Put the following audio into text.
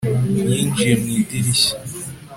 yinjiye mu idirishya